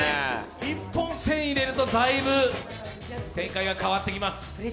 １本１０００入れるとだいぶ展開が変わってきます。